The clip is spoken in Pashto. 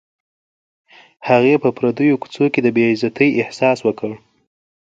هغې په پردیو کوڅو کې د بې عزتۍ احساس وکړ